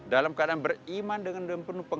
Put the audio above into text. dalam keadaan beriman dengan penuh